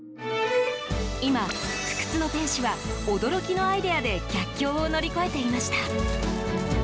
今、不屈の店主は驚きのアイデアで逆境を乗り越えていました。